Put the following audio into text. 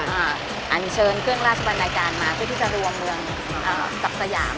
อันเชิญเครื่องราชบรรณาการมาเพื่อที่จะรวมเมืองกับสยาม